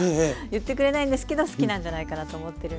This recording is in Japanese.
言ってくれないんですけど好きなんじゃないかなと思ってるんで。